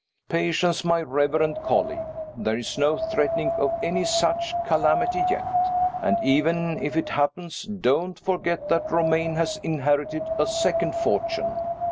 Patience, my reverend colleague! There is no threatening of any such calamity yet. And, even if it happens, don't forget that Romayne has inherited a second fortune.